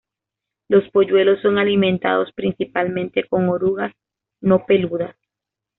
Los polluelos son alimentados principalmente con orugas no peludas.